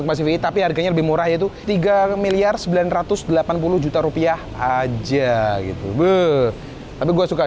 pacific tapi harganya lebih murah yaitu tiga enam per decent rp delapan puluh miliar aja gitu gua suka